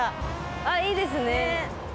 あっいいですね。